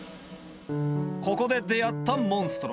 ここで出会ったモンストロ。